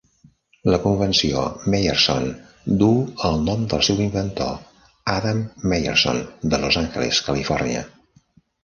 La Convenció Meyerson duu el nom del seu inventor, Adam Meyerson de Los Angeles, Califòrnia.